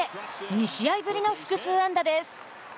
２試合ぶりの複数安打です。